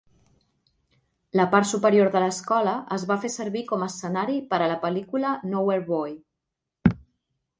La part superior de l'escola es va fer servir com a escenari per a la pel·lícula "Nowhere Boy".